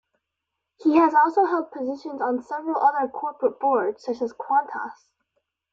He has also held positions on several other corporate boards, such as Qantas.